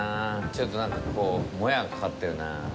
ちょっとなんかこう、もやがかかってるなぁ。